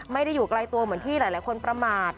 ไม่ได้อยู่ไกลตัวเหมือนที่หลายคนประมาท